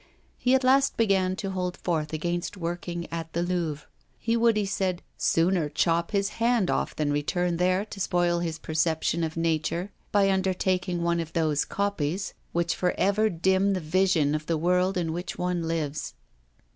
He at last began to hold forth against working at the Louvre. He would, he said, sooner chop his hand off than return there to spoil his perception of nature by undertaking one of those copies which for ever dim the vision of the world in which one lives.